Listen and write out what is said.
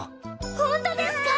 本当ですか！？